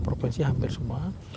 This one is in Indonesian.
provinsi hampir semua